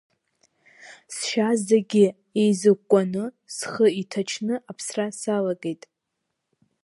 Сшьа зегьы еизыкәкәаны, схы иҭачны аԥсра салагеит.